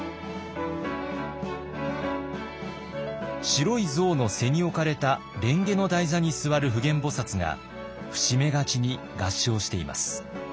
白い象の背に置かれた蓮華の台座に座る普賢菩が伏し目がちに合掌しています。